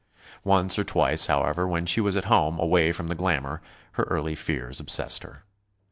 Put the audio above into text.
Once or twice, however, when she was at home, away from the glamour, her early fears obsessed her.